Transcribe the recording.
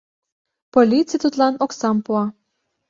Полиций тудлан оксам пуа.